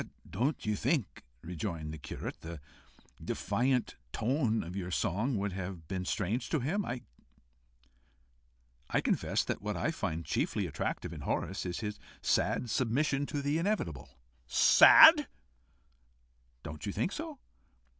"Don't you think," rejoined the curate, "the defiant tone of your song would have been strange to him? I confess that what I find chiefly attractive in Horace is his sad submission to the inevitable." "Sad?" echoed Bascombe. "Don't you think so?"